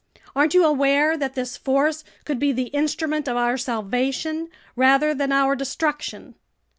Aren't you aware that this force could be the instrument of our salvation rather than our destruction?"